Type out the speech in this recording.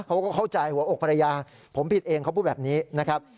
เขาก็เข้าใจหัวอกภรรยาผมผิดเองเขาพูดแบบนี้นะครับ